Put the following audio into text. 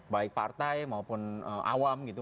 baik partai maupun awam gitu